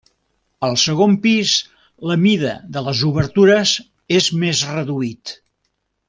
Al segon pis la mida de les obertures és més reduït.